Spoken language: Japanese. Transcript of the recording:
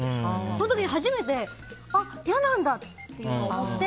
その時に初めてあ、嫌なんだっていうのが分かって